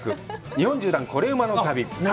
日本縦断コレうまの旅」